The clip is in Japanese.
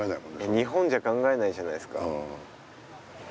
日本じゃ考えないじゃないですか。